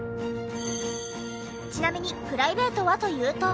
ちなみにプライベートはというと。